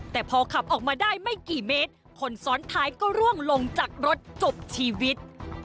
แต่พอขับออกมาได้ไม่กี่เมตรคนซ้อนท้ายก็ร่วงลงจากรถจบชีวิต